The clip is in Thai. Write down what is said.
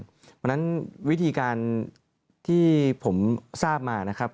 เพราะฉะนั้นวิธีการที่ผมทราบมานะครับ